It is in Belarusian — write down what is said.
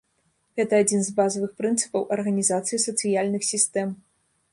Гэта адзін з базавых прынцыпаў арганізацыі сацыяльных сістэм.